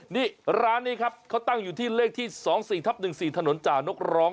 นี่ร้านนี้ครับเขาตั้งอยู่ที่เลขที่๒๔ทับ๑๔ถนนจ่านกร้อง